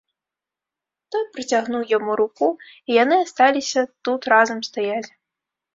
Той працягнуў яму руку, і яны асталіся тут разам стаяць.